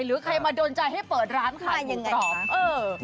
หรือใครมาโดนใจให้เปิดร้านขาดหมูกรอบ